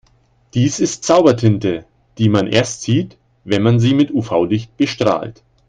Dies ist Zaubertinte, die man erst sieht, wenn man sie mit UV-Licht bestrahlt.